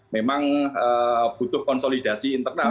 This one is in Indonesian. memang butuh konsolidasi internal